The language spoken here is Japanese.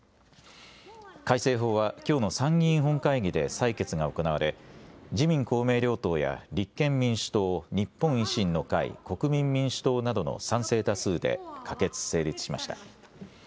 改正法はきょうの参議院本会議で採決が行われ自民公明両党や立憲民主党、日本維新の会、国民民主党などの賛成多数で可決・成立しました。